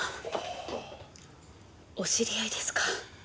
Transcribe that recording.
お知り合いですか？